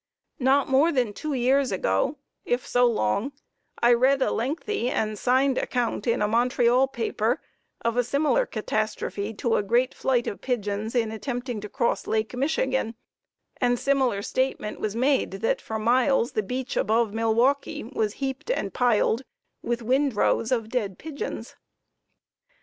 Not more than two years ago, if so long, I read a lengthy and signed account in a Montreal paper of a similar catastrophe to a great flight of pigeons in attempting to cross Lake Michigan, and similar statement was made that for miles the beach above Milwaukee was heaped and piled with "windrows" of dead pigeons.